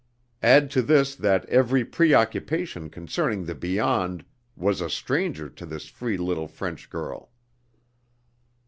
Add to this that every preoccupation concerning the beyond was a stranger to this free little French girl.